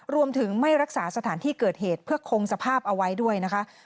รวมถึงไม่รักษาสถานที่เกิดเหตุเพื่อคงสภาพเอาไว้ด้วยนะคะ